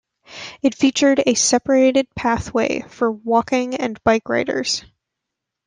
It features a separated pathway for walking and bike riders.